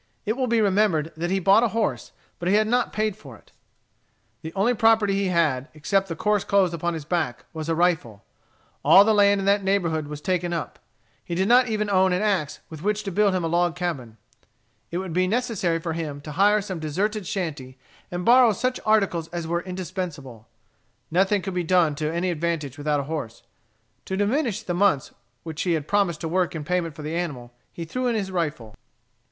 It will be remembered that he had bought a horse; but he had not paid for it. The only property he had, except the coarse clothes upon his back, was a rifle. All the land in that neighborhood was taken up. He did not even own an axe with which to build him a log cabin. It would be necessary for him to hire some deserted shanty, and borrow such articles as were indispensable. Nothing could be done to any advantage without a horse. To diminish the months which he had promised to work in payment for the animal, he threw in his rifle.